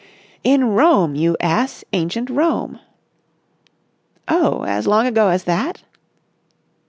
"In Rome, you ass! Ancient Rome." "Oh, as long ago as that?"